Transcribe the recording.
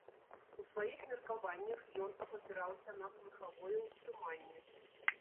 У сваіх меркаваннях ён абапіраўся на слыхавое ўспрыманне.